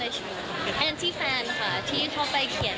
แต่ที่เหลือหนูหนูว่าไปถามพี่ณเดชน์ดูกว่าครับ